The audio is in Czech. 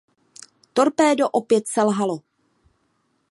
Torpédo opět selhalo.